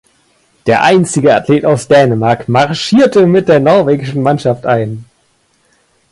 Der einzige Athlet aus Dänemark marschierte mit der norwegischen Mannschaft ein.